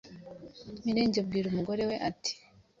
Mirenge abwira umugore we ati “